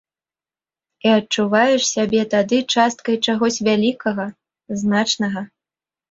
І адчуваеш сябе тады часткай чагось вялікага, значнага.